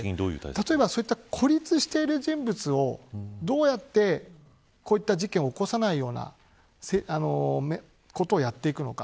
例えば、孤立している人物をどうやって、こういった事件を起こさないようなことをやっていくのか。